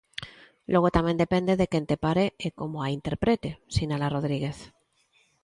"Logo tamén depende de quen te pare e como a interprete", sinala Rodríguez.